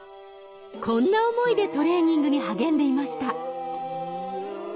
こんな思いでトレーニングに励んでいました